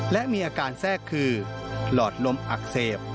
และมีอาการแทรกคือหลอดลมอักเสบ